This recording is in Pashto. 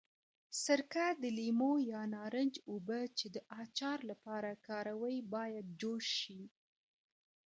سرکه، د لیمو یا نارنج اوبه چې د اچار لپاره کاروي باید جوش شي.